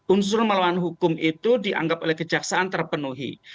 unsur melawan hukum itu dianggap oleh kejaksaan terpenuhi